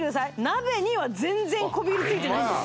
鍋には全然こびりついてないんです